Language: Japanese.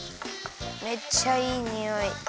めっちゃいいにおい。